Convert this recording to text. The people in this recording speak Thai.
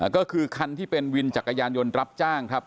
ก็คือคันที่เป็นวินจักรยานยนต์รับจ้างครับ